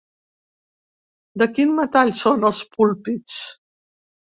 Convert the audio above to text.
De quin metall són els púlpits?